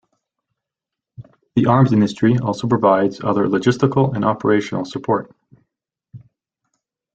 The arms industry also provides other logistical and operational support.